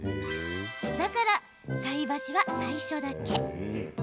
だから、菜箸は最初だけ。